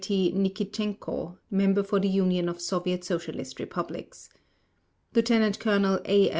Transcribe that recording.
T. NIKITCHENKO, Member for the Union of Soviet Socialist Republics LIEUTENANT COLONEL A.